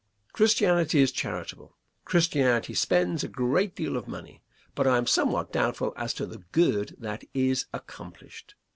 Christianity is charitable; Christianity spends a great deal of money; but I am somewhat doubtful as to the good that is accomplished.